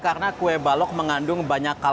karena kue balok mengandung banyak kalori